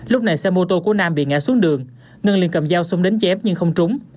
lúc này xe mô tô của nam bị ngã xuống đường ngân liên cầm dao xông đến chém nhưng không trúng